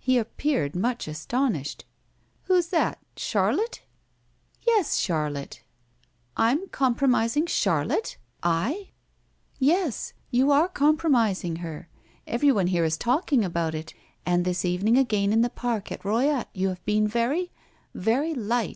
He appeared much astonished. "Who is that? Charlotte?" "Yes, Charlotte!" "I'm compromising Charlotte? I?" "Yes, you are compromising her. Everyone here is talking about it, and this evening again in the park at Royat you have been very very light.